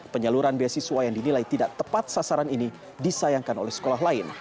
penyaluran beasiswa yang dinilai tidak tepat sasaran ini disayangkan oleh sekolah lain